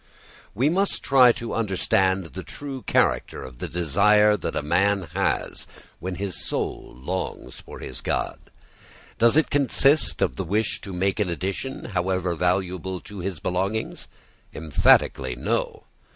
We must try to understand the true character of the desire that a man has when his soul longs for his God. Does it consist of his wish to make an addition, however valuable, to his belongings? Emphatically no!